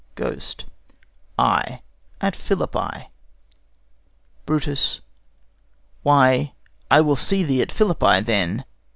GHOST. Ay, at Philippi. BRUTUS. Why, I will see thee at Philippi, then.